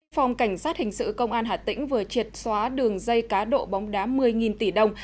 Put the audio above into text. phòng cảnh sát hình sự công an hà tĩnh vừa triệt xóa đường dây cá độ bóng đá một mươi tỷ đồng